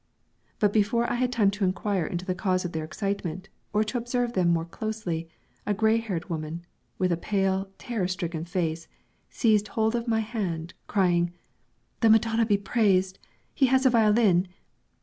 But before I had time to inquire into the cause of their excitement, or to observe them more closely, a gray haired woman, with a pale, terror stricken face, seized hold of my hand, crying: "The Madonna be praised, he has a violin!